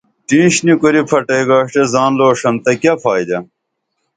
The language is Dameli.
ٹینݜ نی کُری پھٹئی گاݜٹیہ زان لوݜن تہ کیہ فائدہ